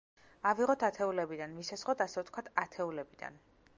ავიღოთ ათეულებიდან, ვისესხოთ, ასე ვთქვათ, ათეულებიდან.